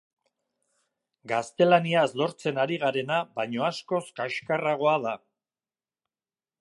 Gaztelaniaz lortzen ari garena baino askoz kaxkarragoa da.